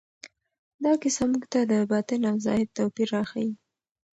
دا کیسه موږ ته د باطن او ظاهر توپیر راښيي.